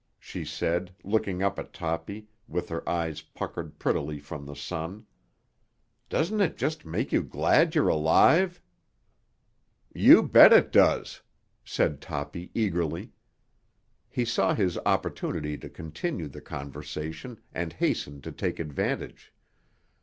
she said, looking up at Toppy with her eyes puckered prettily from the sun. "Doesn't it just make you glad you're alive?" "You bet it does!" said Toppy eagerly. He saw his opportunity to continue the conversation and hastened to take advantage.